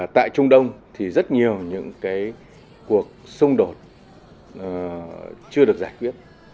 tại trung đông thì rất nhiều những cuộc xung đột chưa được giải quyết